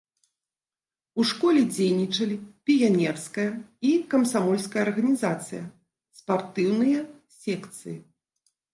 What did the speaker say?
У школе дзейнічалі піянерская і камсамольская арганізацыя, спартыўныя секцыі.